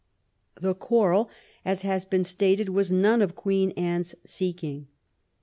The quarrel, as has been stated, was none of Queen Anne's seeking.